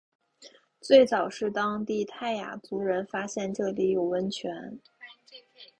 最早是当地泰雅族人发现这里有温泉。